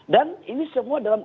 dan ini semua dalam